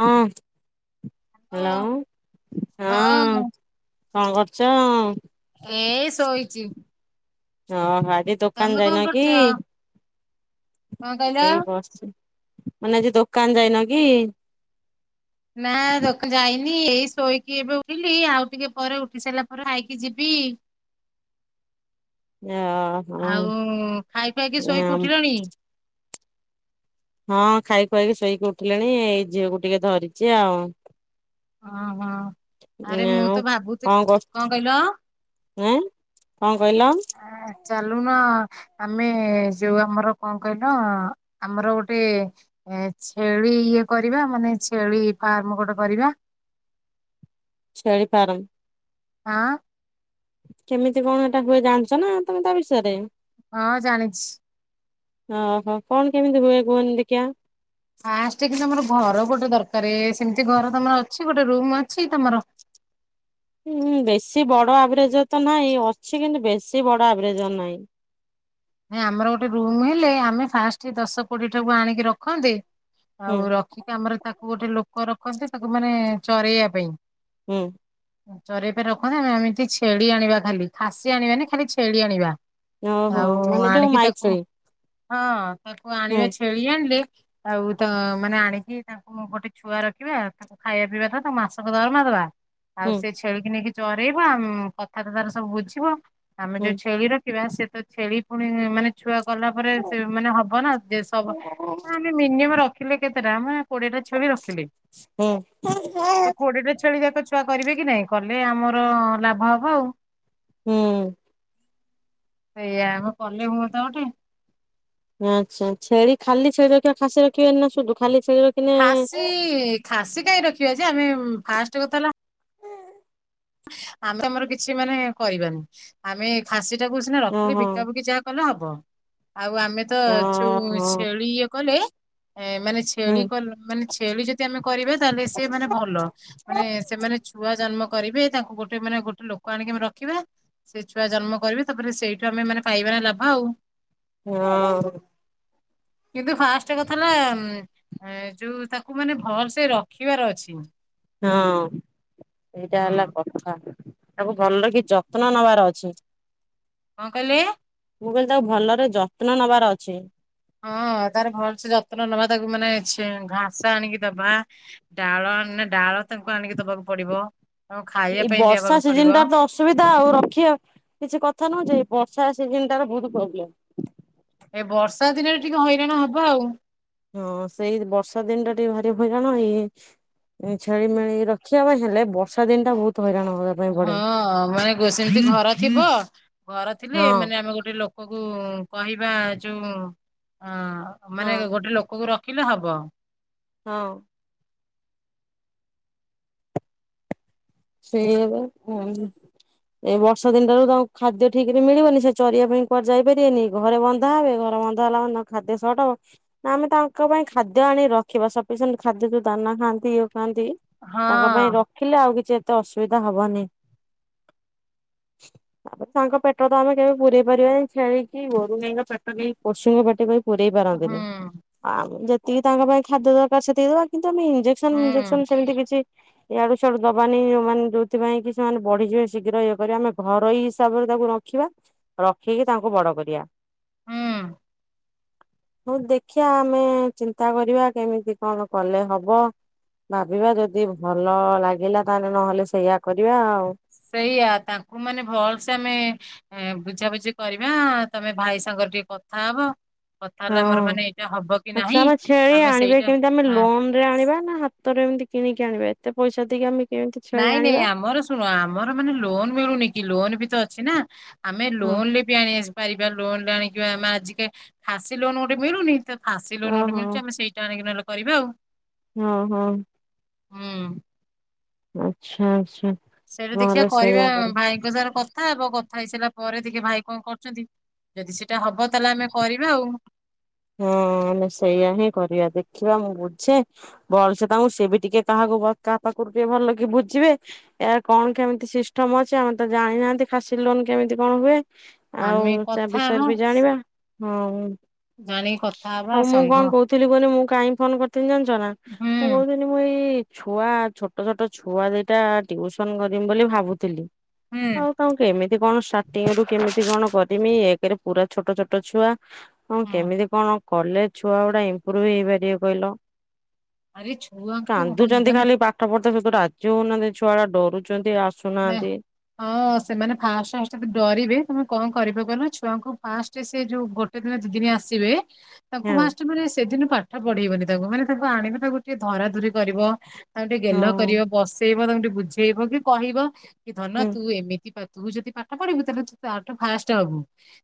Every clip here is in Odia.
ହଁ। ଓ ହ୍ୟାଲୋ ହଁ। କଣ କରୁଛ? ଏ ଶୋଇଛି। ହଁ ଆ। ଏ ଦୋକାନ ତମେ କଣ ଯାଇନ କି? କରୁଛ? କଣ କହିଲ? ଏଇ ବସିଛି। ମାନେ ଆଜି ଦୋକାନ ଯାଇନ କି? ନା ଦୋକନ ଯାଇନି ଏଇ ଶୋଇକି ଏବେ ଉଠିଲି ଆଉ ଟିକେ ପରେ ଉଠି ସାରିଲା ପରେ ଖାଇକି ଯିବି। ଓହୋ। ଆଉ ଖାଇ ପିଆକି ଶୋଇକି ଉଠିଲଣି? ହଁ ଖାଇ ପିଆକି ଶୋଇକି ଉଠିଲିଣି ଏଇ ଝିଅକୁ ଟିକେ ଧରିଛି ଆଉ। ଓହୋ ଆରେ ମୁଁ ଆଉ ତ ଭାବୁଥିଲି କରୁ କଣ କହିଲ ଏଁ କଣ କହିଲ ଏ ଚାଲୁନ? ଆମେ ଯୋଉ ଆମର କଣ କହିଲ ଆମର ଗୋଟେ ଛେଳି ଇଏ କରିବା ମାନେ ଛେଳି ଫାର୍ମ ଗୋଟେ କରିବା। ଛେଳି ଫାର୍ମ । ଆଁ। କେମିତି କଣ ଏଟା ହୁଏ ଜାଣିଛ ନା ତମେ ତା ବିଷୟରେ। ହଁ ଜାଣିଛି। ଓହୋ କଣ କେମିତି ହୁଏ କୁହନି ଦେଖିବା। ଫାଷ୍ଟ କିନା ଆମର ଘର ଗୋଟେ ଦରକାର ସେମିତି ଘର ତମର ଅଛି ଗୋ ରୁମ ଅଛି ତମର। ହୁଁ ବେଶି ବଡ ଆଭରେଜ ତ ନାହିଁ ଅଛି କିନ୍ତୁ ବେଶି ବଡ ଆଭରେଜ ନାହିଁ। ଆମର ଗୋଟେ ରୁମ ହେଲେ ଆମେ ଫାଷ୍ଟ ଦଶ କୋଡି ଠାକୁ ଆଣିକି ରଖନ୍ତେ। ହୁଁ ଆଉ ରଖିକି ଆମର ତା ଗୋଟେ ଲୋକ ରଖନ୍ତି ତାକୁ ମାନେ ଚରେଇବା ପାଇଁ। ହୁଁ। ଚରେଇବା ପାଇଁ ରଖନ୍ତେ ଆମେ ଏମିତି ଛେଳି ଆଣିବା ଖାଲି ଖାସି ଆଣିବାନି ଖାଲି ଛେଳି ଆଣିବା। ଓହୋ। ଆଉ ମାନେ ଯୋଉ ଆଣିକି ତାକୁ ମାଇଛେଳି। [inaudible] ତାକୁ ଆଣିବା ଛେଳି ଆଣିଲେ। ଆଉ ତ ମାନେ ଆଣିକି ତାଙ୍କୁ ଗୋଟେ ଛୁଆ ରଖିବା ତାଙ୍କୁ ଖାଇବା ପିଇବା ଦବା ତାଙ୍କୁ ମାସକୁ ଦରମା ଦବା। ଆଉ ହୁଁ ସେ ଛେଳିକୁ ନେଇକି ଚରେଇବା ଉଁ କଥା ତ ତାର ସବୁ ବୁଝିବା। ଆମେ ହୁଁ। ଯୋଉ ଛେଳିର [unintelligible] ବା ସେ ତ ଛେ। ପୁଣି ମାନେ ଛୁଆକୁ ଗଲା ପରେ ହୁଁ। ସେ ମାନେ ହବ ନା ଦେଢ଼ସ ଅ ଆମେ ମିନିମମ୍ ଦେଖିଲେ କେତେ ଟାମ କୋଡଟା ଛେଳି ରଖିଲି ତ କୋଡଟା ଛେଳି ଯାକ ଛୁଆ କରିବେ କି ନାଇଁ କଲେ ଆମର ଲାଭ ହବ ଆଉ ହୁଁ ସେଇଆ କଲେ ହୁ ତ ଗୋଟେ ଆଚ୍ଛା ଛେଳି ଖାଲି ଛେଳି ରଖିବା ଖାସି ରଖି ଖାସିୀ ଖାସି କାହିଁ ରଖିବା ଯେ ଆମେ ଫାଷ୍ଟ କ ହେ ଆମେ ଆମର କିଛି ମାନେ କରିବାନି ଆମେ ଖାସି ବଜାକୁୁନା ରଖିଲେ ଓହୋ ବିକା ବିକିାହା କଲେ ହେବ ହଁ ଆଉ ଆମେ ତ ଯୋଉ ଓହୋ ଛେଳି ଇଏ କଲେ ଏ ମାନେ ହୁଁ ଛେଳି କ ମାନେ ଛେଳି ଯଦି ଆମେ କରିବା ତାହେଲେ ସେ ମାନେ ଭଲ ମାନେ ସେମାନେ ଛୁଆ ଜନ୍ମ କରିବେ ତାଙ୍କୁ ଗୋଟେ ମାନେ ଗୋଟେ ଲୋକ ଆଣିକି ଆମେ ରଖିବା ସେ ଛୁଆ ଜନ୍ମ କରିବି ତାପରେ ସେଇଠୁ ଆମେ ମାନେ ଖାଇବାାରେ ଲାଭା ଆଉ ହଁ କିନ୍ତୁ ଫାଷ୍ଟ କଥା ହେଲା ଯୋଉ ତାକୁ ମାନେ ଭଲ ସେେ ରଖିବାର ଅଛି। ହଁ ସେଇଟା ହୁଁ ହେଲା କଣ? ତାକୁ ଭଲରେଖି ଯତ୍ନ ନେବାର ଅଛି। କଣ କହିଲେ ମୁଁ କହିଲି ତାକୁ ଭଲରେ ଯତ୍ନ ନେବାର ଅଛି। ହଁ ତାର ଭଲ ସେ ଯତ୍ନ ନବା ତାକୁ ମାନେ ଘାସ ଆଣିକି ଦବା ଡାଳ ଡାଳ ତାଙ୍କୁ ଆଣିକି ଦବାକୁ ପଡିବ ଆଉ ଖାଇବା ଏଇ ପାଇଁ ବର୍ଷା ଦେବାକୁ ପଡିବ। ସିଜନ ଟା ତ ଅସୁବିଧା ଆଉ ରଖିବା ଆ କିଛି କଥା ନଉଛି ବର୍ଷା ସେ ଜିନଟ ବହୁତ ପ୍ରୋବ୍ଲେ ଏ ବର୍ଷା ଦିନରେ ଟିକେ ହଇରାଣ ହବ ଆଉ ହଁ ସେଇ ବର୍ଷା ଦିନ ଟା ଟିକେ ଭାରି ହଇରାଣ ଏଇ ଛେଳିମେଳି ରଖିବା ପାଇଁ ହେଲେ ବର୍ଷା ଦିନ ଟା ବହୁତ ହଇରାଣ ହବା ପାଇଁ ପଡେ ହଁ ମାନେ ସେମିତି ଘର ଥିବ ହଁ ଘର ଥିଲେ ହଁ ମାନେ ଆମେ ଗୋଟେ ଲୋକ କୁ କହିବା ଯୋଉ ହଁ ହଁ ମାନେ ଗୋଟେ ଲୋକଙ୍କୁ ରଖ କିିଲେ ହବ ହଁ ସେଇବ ଏ ବର୍ଷା ଦିନଟାରୁ ତାଙ୍କୁ ଖାଦ୍ୟ ଠିକରେ ମିଳିବନି ସେ ଚରିବା ପାଇଁ କୁଆଡେ ଯାଇପାରିବେନି ଘରେ ବନ୍ଧା ହବେ ଘରେ ବନ୍ା ହେଲା ଖାଦ୍ୟ ସର୍ଟ ହବ ନା ଆମେ ତାଙ୍କ ପାଇଁ ଖାଦ୍ୟ ଆଣିିକି ରଖିବା ସଫିସିଏଣ୍ଟ ଖାଦ୍ୟ ଯୋଉ ଦାନା ଖାଆନ୍ତି ଇଏ? ଥାନ୍ତି ହଁ ତାଙ୍କ ପାଇଁ ରଖିଲେ ଆଉ କିଛି? ଏତେ ଅସୁବିଧା ହବନି ତାପରେ ତାଙ୍କ ପେଟ ତ ଆମେ କେବେ ପୂରେଇ ପାରିବାନି ଛେଳିିକି ଗୋରୁଗାଇଙ୍କ ପେଟ ବି ପଶୁଙ୍କ ପେଟ ବି? ପରେଇ ହୁଁ ପାରନ୍ତିନି ଆଉ ଆମ ଯେ ଟିକେ ତାଙ୍କ ପାଇଁ ଖାଦ୍ୟ ଦରକାର ସେଠକଦବା କିନ୍ତୁ ତମେ ଇଞ୍ଜେକ୍ସନ ହୁଁ ମିଞ୍ଜେକ୍ସନ ସେମିତି କିଛି ୟାଡୁ ସ୍ୟାଡୁ ଦବାନି। ମାନେ ଯୋଉଥିପାଇଁ କି ସେମାନେ ବଢିଯିବେ ଶୀଘ୍ର ଇଏ କରିବା ଆମେ ଘରୋଇ ହିସାବରେ ତାକୁ ରଖିବା ରଖିକି ତାଙ୍କୁ ବଡ କରିବା। ହୁଁ। ହଉ ଦେଖିବା ଆମେ ଚିନ୍ତା କରିବା କେମିତି କଣ କଲେ ହବ ଭାବିବା ଯଦି ଭଲ ଲାଗିଲା ତାହେଲେ ନହେଲେ ସେଇଆ କରିବା ଆଉ। ସେଇଆ ତାଙ୍କୁ ମାନେ ଭଲସେ ଆମେ ବୁଝାବୁଝି କରିବା ତମେ ଭାଇ ସାଙ୍ଗରେ ଟିକେ କଥା ହବ। କଥା ହଁ ହେଲେ ଆମର ମାନେ ଏଇଟା ହବ କି ନାହିଁ ଆଚ୍ଛା ଆମେ ଛେଳି ଆମେ ଆଣିବା ସେଇଟା କେମିତି ଆମେ ଆଁ ଲୋନ ରେ ଆଣିବା ନା ହାତରେ ଏମିତି କିଣିକି ଆଣିବା ଏତେ ପଇସା ଦେଇକି ଆମେ କେମିତି ଛେଳି ନାଇଁ ନାଇଁ ଆଣିବା? ଆମର ଶୁଣ ଆମର ମାନେ ଲୋନ ମିଳୁନି ଲୋନ ବି ତ ଅଛି ନା। ଆମେ ହଁ। ଲୋନ ଲେ ବିି ଆଣି ଆସିବାୁ। ପାରିବା ଲୋନ ରେ ଆଣିକି ଆମେ ଆଜିକା ଖାସି ଲୋନ ଗୋଟେ ମିଳୁନି। ଖାସି ଲୋନ ଗୋଟେ ଓହୋ ମିଳୁଚି ଆମେ ସେଇଟା ଆଣିକିନା କରିବା ଆଉ। ହଁ ହଁ। ହଁ। ଆଚ୍ଛା ଆଚ୍ଛା। ସେଇଟା ଦେଖିବା ନହେଲେ ସେଇଆ କରିବା କର ଭାଇଙ୍କ ସାର କଥା କଥା ହବ କଥା ହେଇସାରିଲା ପରେ ଟିକେ ଭାଇ କଣ କରୁଛନ୍ତି ଯଦି ସେଇଟା ହବ ତାହେଲେ ଆମେ କରିବା ଆଉ। ହଁ ଆମେ ସେଇୟଆ ହିଁ କରିବା ଦେଖିବା ମୁଁ ବୁଝେ ଭଲସେ ତାଙ୍କୁ ସେ ବି ଟିକେ କାହାକୁ କାହା ପାଖରୁ ଟିକେ ଭଲ କି ବୁଝିବେ ଏର କଣ କେମିତି ସିଷ୍ଟମ ଅଛି ଆମେ ତ ଜାଣିନାହାନ୍ତି ଖାସି ଲୋନ କେମିତି କଣ ହୁଏ। ଆଉ ଆମେ ସେ କଥା ହବା ବିଷୟରେ ବି ଜାଣିବା। ହଁ। ଜାଣିକି କଥା ହବା ଆଉ ମୁଁ ସାଙ୍ଗ କଣ କହୁଥିଲି କହନି ମୁଁ କାହିଁକି ଫୋନ କରିଥିଲି ଜାଣିଛନା ହୁଁ ମୁଁ କହୁଥିଲି ମୁଁ ଏଇ ଛୁଆ ଛୋଟ ଛୋଟ ଛୁଆ ଦିଟା ଟିଉସନ କରିମ ବୋଲି ଭାବୁଥିଲି। ହୁଁ ଆଉ ତାଙ୍କୁ କେମିତି କଣ ଷ୍ଟାର୍ଟିଙ୍ଗ ରୁ କେମିତି କଣ କରିମି ଏକରେ ପୁରା ଛୋଟ ଛୋଟ ଛୁଆ। ହଁ କେମିତି ହଁ କଲେଜ ଛୁଆ ଗୁଡା ଇମ୍ପ୍ରୁଭ ହେଇପାରିବେ କହିଲ? ଆରେ ଛୁଆଙ୍କୁ କାନ୍ଦୁଛନ୍ତି ମାନେ ଖାଲି ପାଠ ପଢା ରାଜି ହଉନାହାନ୍ତି ଛୁଆ ଗୁଡା ଡରୁଛନ୍ତି। ନା ଆସୁନାହାନ୍ତି। ହଁ ସେମାନେ ଫାଷ୍ଟ ଫାଷ୍ଟ ଯ ଡରିବେ ତମେ କଣ କରିବ ଛୁଆଙ୍କୁ ଫାଷ୍ଟ ସେ ଯୋଉ ଗୋଟେ ଦିନ ଦି ଦିନ ଆସିବେ ତାଙ୍କୁ ହଁ ଫାଷ୍ଟ ମନେ ସେଦିନ ପାଠ ପଢେଇବନି ତାକୁ ମାନେ ତାକୁ ଆଣିବ ତାକୁ ଟିକେ ଧରାଧୁରି କରିବ ତାଙ୍କୁ ଟିକେ ଗେଲ ହଁ କରିବ ବସେଇବ ତାଙ୍କୁ ଟିକେ ବୁଝେଇବ କି କହିବ ଆଛା। କି ଧନ ହୁଁ ତୁ ଏମିତି ତୁ ଯଦି ପାଠ ପଢିବୁ ତାହେଲେ ତୁ ଫାଷ୍ଟ ହବୁ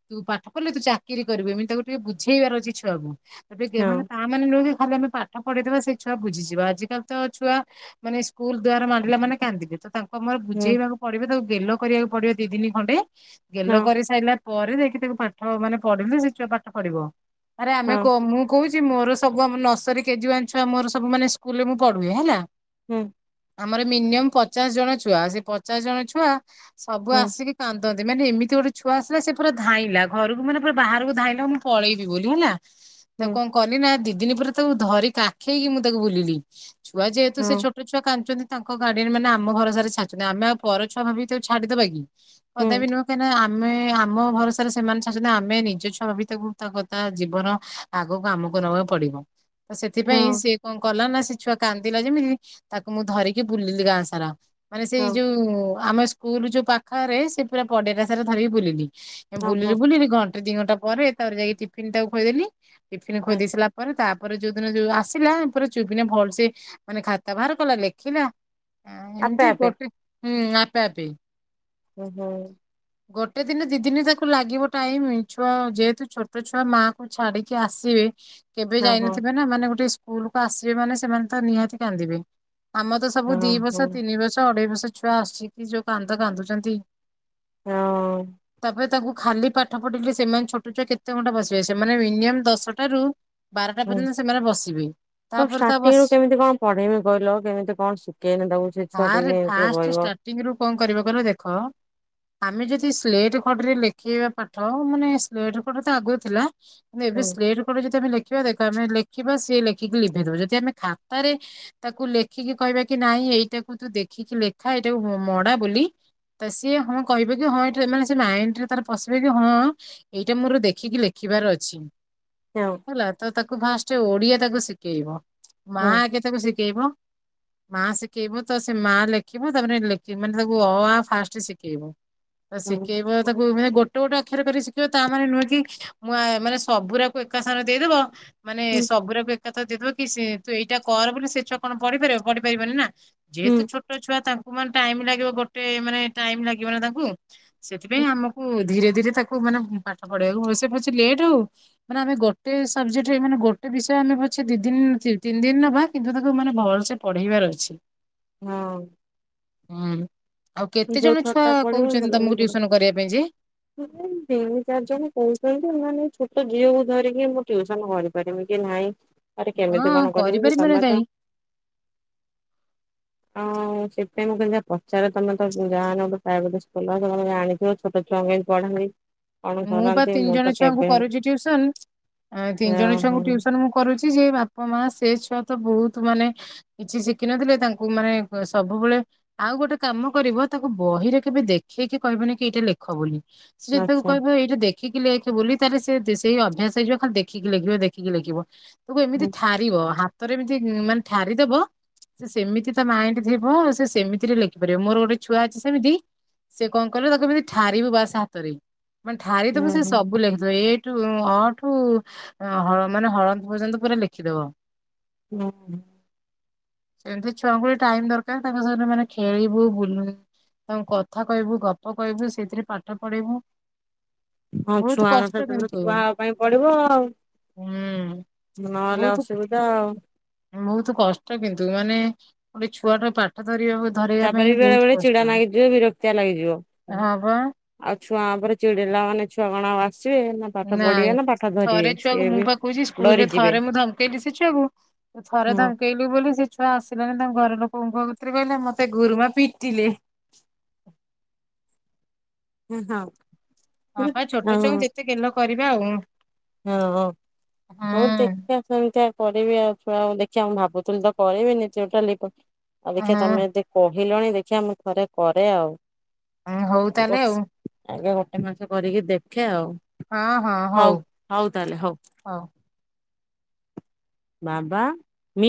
ତୁ ପାଠ ପଢିଲେ ତୁ ଚାକିରି କରିବୁ ଏମିତି ତାକୁ ଟିକେ ବୁଝେଇବାର ଅଛି ଛୁଆକୁ। ଏବେ ହଁ ଯୋଉଁମାନେ ତା ମାନେ ନୁେହଁଯେ ହଁ ଆମେ ପାଠ ପଢିଦବା ସେଇ ଛୁଆ ବୁଝିଯିବା ଆଜିକାଲି ତ ଛୁଆ ମାନେ ସ୍କୁଲ ଦୁଵାର ମାଡିଲା ମାନେ କାନ୍ଦିଲେ ତ ତାଙ୍କ ମୋର ହୁଁ ଯେଇବାକୁ ପିବେ ତାକୁ ଗେଲୋ କରିବାକୁ ପଡିବ ଦି ଦିନି ଖଣ୍ଡେ। ଗେଲ ହଁ କରି ସାରିଲା। ପରେ ଯାଇକି ତାକୁ ପାଠ ମାନେ ପଢିଲି ସେ ଛୁଆ ପାଠ ପଢିବ। ଆରେ ଆମେ ହଁ କ ମୁଁ କହୁଛି। ମୋର ସବୁ ଆମ ନର୍ସରୀ କେଜୀ ୱାନ୍ ଛୁଆ ମୋର ସବୁ। ମାନେ ସ୍କୁଲରେ ମୁଁ ପଢୁଏ ହେଲା। ହୁଁ। ଆମର ମିନିୟମ୍ ପଚାଶ ଜଣ ଛୁଆ ସେ ପଚାଶ ଜଣ ଛୁଆ ସବୁ ହୁଁ ଆସିକି କାନ୍ଦି ମାନେ ଏମିତି ଗୋଟେ ଛୁଆ ଆସିଲ ସେ ପୁରା ଧାଇଁଲା ଘରକୁ ମାନେ ପୁରା ବାହାରକୁ ଧାଇଁଲା ମୁଁ ପଳେଇବି ବୋଲି ହେଲା। ତ ହୁଁ କଣ କଲିି ନା ଦିଦି ଦି ଦିନ ପରେ ତାକୁ ଧରି କାଖେଇକି ମୁଁ ତାକୁ ବୁଲିଲି। ଛୁଆ ଯେହେତୁ ସେ ହଁ ଛୋଟ ଛୁଆ କାନ୍ଦୁଛନ୍ତି। ତାଙ୍କ ଗାର୍ଡିଆନ ମାନେ ଆମ ଭରସା ରେ ଛାଡିଛନ୍ତି। ଆମେ ଆଉ ପରଛୁଆ ଭାବିକି ତାକୁ ଛାଡିଦେବା କି? ହୁଁ କଦା ବି ନୁେହଁ କାଇଁକିନା ଆମେ ଆମ ଭରସାରେ ସେମାନେ ଚାଡ଼ିଛନ୍ତି ଆମେ ନିଜ ଛୁଆ ଭିତକୁ ତା କଥା ଜୀବନ ଆଗକୁ ଆମକୁ ନବାକୁ ପଡିବ। ତ ସେଥିପାଇଁ ହଁ ସେଏ କଣ କଲା ନା ସେ ଛୁଆ କାନ୍ଦିଲା ଯେମିତି ତାକୁ ମୁଁ ଧରିକି ବୁଲିଲି ଗାଁ ସାରା। ମାନେ ସେଇ ହଁ ଯୋଉ ଆମେ ସ୍କୁଲ ଯୋଉ ପାଖରେ ସେ ପୁରା ପଡ଼ିଆଟା ସାରା ଧରିକି ବୁଲିଲି। ଏ ହଁ ବୁଲିଲି ହଁ ବୁଲିଲି ଘନ୍ ଦି ଘଣ୍ଟା ପରେ ତା ଯାଇକି ଟିଫିନ ତାକୁ ଖୋଇଦେଲି। ଟିଫିନ ହଁ ଖୋଇଦେଇି ସୀରିଲା ପରେ ତା ପରେ ପରେ ଯୋଉ ଦିନ ଯୋଉ ଆସିଲା ପରେ ଚୁପକିନା ଭଲସ ମାନେ ଖାତା ବାହାର କଲା ଲେଖିଲା। ହଁ ଆପେ ଏମତି ଆପେ ହୁଁ ଆପେ ଆପେ ହୁଁ ହୁଁ, ଗୋଟେ ଦିନ ଦି ଦିନ ତାକୁ ଲାଗିବ ଟାଇମ ଛୁଆ ଯେହେତୁ ଛୋଟ ଛୁଆ ମା କୁ ଛାଡିକି ଆସିବେ କେବେ ହଁ ହଁ ଯାଇନଥିବେ ନା ମାନେ ଗୋଟେ ସ୍କୁଲ କୁ ଆସିବେ ମାନେ ସେମାନେ ତ ନିହାତି କାନ୍ଦିବେ। ଆମ ତ ସବୁ ହଁ ଦି ବର୍ଷ ହଁ ତିନି ବର୍ଷ, ଅଢେଇ ବର୍ଷ ଛୁହା ଆସିକି ଜଉ କାନ୍ଦ କାନ୍ଦୁଛନ୍ତି। ହଁ, ଏବେ ତାଙ୍କୁ ଖାଲି ପାଠ ପଢିଲେ ସେମାନେ ଛୋଟ ଛୁଆ କେତେ ଘଣ୍ଟା ବସିବେ ସେମାନେ ମିନିମମ୍ ଦଶଟାରୁ- ବାରଟା ହୁଁ ପର୍ଯ୍ୟନ୍ତ ସେମାନେ ବସିବେ ତ ତାପରେ ତା ଷ୍ଟାର୍ଟିଂ ରୁ ବସି କେମିତି କଣ ପଢେଇମି କହିଲ କେମିତି କଣ ଶିଖେଇନ ତାକୁଛି- ଫାଷ୍ଟ ଷ୍ଟାର୍ଟିଂ ରୁ କଣ କରିବା କଲ ଦେଖ ଆମେ ଯଦି ସ୍ଲେଟ ଖଡ଼ିରେ ଲେଖେଇବା ପାଠ ମାନେ ସ୍ଲେଟ ଖଡିତ ଆଗରୁ ଥିଲା। ଏବେ ହୁଁ ସ୍ଲେଟ ଖଡ଼ିରେ ଯଦି ଲେଖି ଲଖିବା ଦେଖ ଆମେ ଲେଖିବା ସିଏ ଲେଖିକି ଲିଭେଇଦବା ଯଦି ଆମେ ଖାତାରେ ତାକୁ ଲେଖିକି କହିବା କି ନାଇଁ ଏଇଟା ମୁ ତୁ ଦେଖିକି ଲେଖା ଏଇଟା ମଡା ବୋଲି ତ ସିଏ ହଁ କହିବେ କି ହଁା ମାନେ ସେ ମାଇଣ୍ଡରେ ତାର ପଶିବେ କି ହଁ ଏଇଟା ମୋର ଦେଖିକି ଲେଖିବାର ଅଛି। ହଁ ହେଲା ତ ତାକୁ ଫାଷ୍ଟ ଓଡିଆ ତାକୁ ଶିଖେଇବ। ମା ହୁଁ ଆଗେ ତାକୁ ଶିଖ ଏବଂ ମା ଶିଖେଇବ ତ ସେ ମାଆ ଲେଖିବ ତାପରେ ମାନେ ତାକୁ ଅ ଫାଷ୍ଟ ଶିଖେଇବ। ହୁଁ ଶିଖେଇବା ତାକୁ ଗୋଟେ ଗୋଟ ଗୋଟେ ଆଖିରେ କରି ଶିଖିବ ତା ମାନେ ନୁହେ କି ମୁ ମାନେ ସବୁରାକୁ ଏକା ସ୍ଥାନ ଦେଇଦବ, ମାନେ ସବୁୁର, ତ ଦେଇଦବ କି ତୁ ଏଇଟା କର ବୋଲି ସେ ଛୁଆ କଣ ପଢିପାରିବ ପଢି ପାରିବନି ନା, ଯେ ହୁଁ ତୁ ଛୋଟଛୁଆ ତାକୁ, େ ଟାଇମ ଲାଗିବ ଗୋଟେ ମାନେ ଟାଇମ ଲାଗିବ ନା ତାକୁ। ସେଥିପାଇଁ ହୁଁ ଆମକୁ ଧୀରେ ରେ ତାକୁ ମାନେ ପାଠ ପଢେଇବାକୁ ହ ସେ ପେ ଲେଟ୍ ହଉ ମାନେ ଆମେ ଗୋଟେ ସବଜେକ୍ଟରେ ମାନେ ଗୋଟେ ବିଷୟ ଆମେ ପଛେ ଦି ଦିନ ତିନି ଦିନ ନବା କିନ୍ତୁ ତାକୁ ମାନେ ଭଲସେ ପଢେଇବାର ଅଛି। ହଁ ହଁ ଯୋଉ ଟା ପଡିବ ଭଲ ହ ଟିଉସନ କରିବା ପାଇଁ ଯେ? ତିନି ଚାରି ଜଣ କହୁଛନ୍ତି ମାନେ ଛୋଟ ଝିଅ ହ ଧରିକି ମୁଁ ଟ୍ୟୁସନ କରିପାରିବି କି ନାଇଁ, ଆରେ କେମିତି ହଁ କଣ କରିବକି କରିପାରିବନି ତମେ କାହିଁ ତ ହଁ ସେଥିପାଇଁ ମୁଁ କହିଲି ଦେଖି ପଚାରେ ତମେ [unintelligible] ଆଣିଥିବ ଛଟ ଛୁଆଁଙ୍କୁ କେମତି ପଢାନ୍ତି? କଣ ମୁଁ ବା କରନ୍ତି ତିନି ମୁଁ ତ ଜଣ ଛୁଆଙ୍କୁ କେବେ କରୁଛି ଟ୍ୟୁସନ ତିନି ଜଣ ଛୁଆଙ୍କୁ ଓହୋ ଟ୍ୟୁସନ ମୁଁ କରୁଛି। କି ସେ ବାପା ମା ସେ ଛୁଆ ତ ବହୁତ ମାନେ କିଛି ଶିଖିନଥିଲେ ତାଙ୍କୁ ମାନେ ସବୁବେଳେ ଆଉ ଗୋଟେ କାମ କରିବ ତାକୁ ବହିରେ କେବେ ଦେଖେଇକି କହିବନି କି ଏଇଟା ଲେଖ ବୋଲି। ଆଚ୍ଛା। ଯେ ଦେଖିକି ଲେଖେ ବୋଲି ତାହାଲେ ସେ ସେଇ ଅଭ୍ୟାସ ହେଇଯିବ ଖାଲି ଦେଖିକି ଲେଖିବ, ଦେଖିକି ଲେଖିବ। ତୁଗୁ ଏମିତି ହୁଁ ଥାରିବ ହାତ ଥରେ ଏମିତି ମାନେ ଠାରିଦବ ସେ ସେମିତି ତା ମାଇଣ୍ଡ ଥିବ। ସେ ସେମିତିରେ ଲେଖିପାରିବ, ମୋର ଗୋଟେ ଛୁଆ ଅଛି ସେମିତି ସେ କଣ କରେ ତାକୁ କେମିତି ଠାରିବୁ ବାସ ହାତରେ ମାନେ ଠାରିଦବ ସେ ହୁଁ। ସବୁ ଲେଖିଦବ ଏ ଅଠୁ--ଅଠୁ ହଳ--ମାନେ ହଳନ୍ଦ ପର୍ଯ୍ୟନ୍ତ ପୁରା ଲେଖିଦେବ ହୁଁ ହୁଁ। ସେମିତି ଛୁଆଙ୍କୁ ଟିକେ ଟାଇମ୍ ଦରକାର। ତାଙ୍କ ସହିତ ମାନେ ଖେଳିବୁ, ବୁଲ ତାଙ୍କୁ କଥା କହିବୁ, ଗପ କହିବୁ ସେଇଥିରେ ପାଠ ପଢେଇବୁ। ହଁ ବହୁତ ଛୁଆଙ୍କ କଷ୍ଟ ସହିତ ତ କିନ୍ତୁ ଛୁଆ ହବା ପାଇଁ ପଡିବ ଆଉ। ହୁଁ ନହେଲେ ବହୁତ ଅସୁବିଧା ଆଉ ବହୁତ କଷ୍ଟ କିନ୍ତୁ ମାନେ ଗୋଟେ ଛୁଆଟାର ପାଠ ଧରିବାକୁ ଧରେଇବା ତାପରେ ପାଇଁ ବେଳେ ବହୁତ ବେଳେ କଷ୍ଟ ଚିଡା ନାଗିଯିବ ବିରକ୍ତିଆ ଲାଗିଯିବ। ହଁ ବା ଆଉ ଛୁଆଁ ଉପରେ ଚିଡିଲା ମାନେ ଛୁଆ କଣ ଆଉ ଆସ ନାଇଁ ଥରେ ସିଏ ଛୁଆକୁ ମୁଁ ବି ପା କହୁଛି ସ୍କୁଲ ରେ ଡରିଯିବେ ଥରେ ମୁଁ ଧମକେଇଲି ସେ ଛୁଆକୁ ଥରେ ହଁ ଧମକେଇଲି ବୋଲି ସେ ଛୁଆ ଆସିଲାନି ତାଙ୍କ ଘର ଲୋକଙ୍କୁ କ-କତ୍ରିରେ କହିଲେ ମତେ ଗୁରୁମା ପିଟିଲେ। ଏ ହଁ। ହଁ ପା ଛୋଟଛୁଆଙ୍କୁ ଯେତେ ଗେଲ କରିବା ଆଉ। ହଁ ଅ ହଉ ହୁଁ ଦେଖିବା ସେମତିଆ। କରିବି ଆଉ ଛୁଆ ଦେଖିବା ମୁଁ ଭାବୁଥିଲି ତ କରିବିନି ସେଉଟା ଲିପ ଅ ଦେଖିବା ତମେ ଯଦି କୋ ହେଲଣି ଦେଖିବା ମୁଁ ଥରେ କରେ ଆଉ। ହୁଁ ହଉ ତାହେଲେ ବସ ଆଉ। ଆଗେ [unintelligible] ଏ ମାସ କରିକି ଦେଖେ ଆଉ। ହଁ ହଁ ହଉ। ହଉ ତାହଲେ ହଉ। ବାବା। ମି